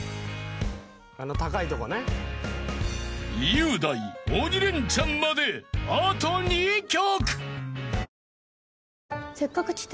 ［雄大鬼レンチャンまであと２曲］